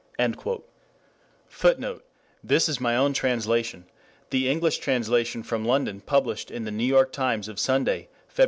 [Footnote: This is my own translation: the English translation from London published in the New York Times of Sunday, Feb.